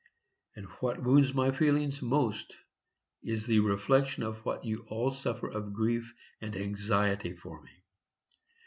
And what wounds my feelings most is the reflection of what you all suffer of grief and anxiety for me.